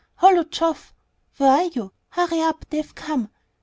"Hollo, Geoff! where are you? Hurry up; they've come."